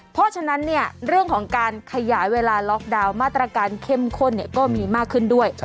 เพราะฉะนั้นเรื่องของการขยายเวลาล็อกดาวน์มาตรการเข้มข้นก็มีมากขึ้นด้วย